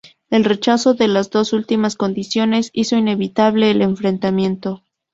El rechazo de las dos últimas condiciones hizo inevitable el enfrentamiento.